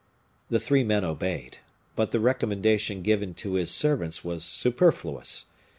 The three men obeyed. But the recommendation given to his servants was superfluous.